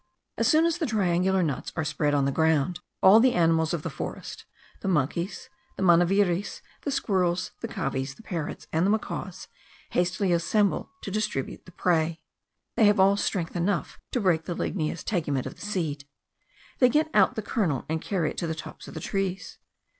As soon as the triangular nuts are spread on the ground, all the animals of the forest, the monkeys, the manaviris, the squirrels, the cavies, the parrots, and the macaws, hastily assemble to dispute the prey. They have all strength enough to break the ligneous tegument of the seed; they get out the kernel, and carry it to the tops of the trees.